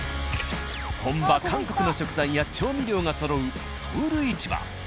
本場韓国の食材や調味料がそろう「ソウル市場」。